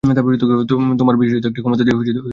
তোমার বিশেষায়িত একটা ক্ষমতা দিয়ে তোমাকেই নিয়ন্ত্রণ করছি।